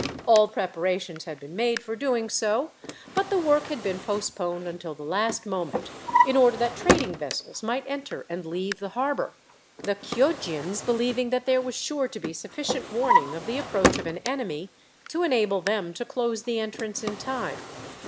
All preparations had been made for doing so, but the work had been postponed until the last moment, in order that trading vessels might enter and leave the harbour, the Chioggians believing that there was sure to be sufficient warning, of the approach of an enemy, to enable them to close the entrance in time.